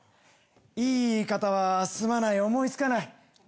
いい言い方はすまない思いつかない。